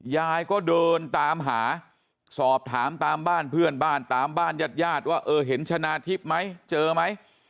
ยายก็เดินตามหาสอบถามตามบ้านเพื่อนบ้านตามบ้านญาติญาติว่าเออเห็นชนะทิพย์ไหมเจอไหม